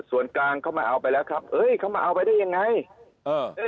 ส่วนกลางเขามาเอาไปแล้วครับเอ้ยเขามาเอาไปได้ยังไงเออ